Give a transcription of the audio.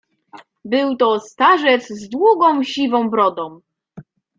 "Był to starzec z długą, siwą brodą."